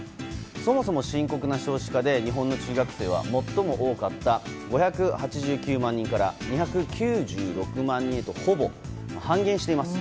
そもそも深刻な少子化で日本の中学生は最も多かった５８９万人から２９６万人へとほぼ半減しています。